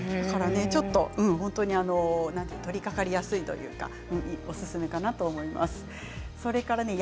本当に取りかかりやすいというかおすすめかなと思いました。